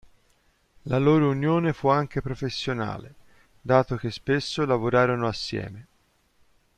La loro unione fu anche professionale, dato che spesso lavorarono assieme.